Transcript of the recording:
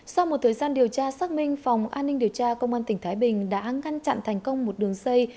sau một thời gian điều tra xác minh phòng an ninh điều tra công an tỉnh thái bình đã ngăn chặn thành công một đường dây